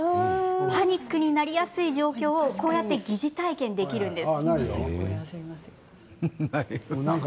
パニックになりやすい状況を疑似体験できるんです。